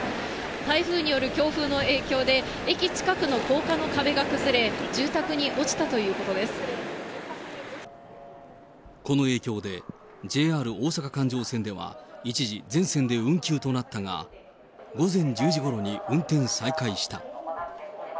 台風による強風の影響で、駅近くの高架の壁が崩れ、この影響で、ＪＲ大阪環状線では一時全線で運休となったが、午前１０時ごろに運転再開した。